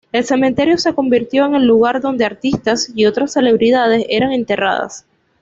El cementerio se convirtió en el lugar donde artistas y otras celebridades eran enterradas.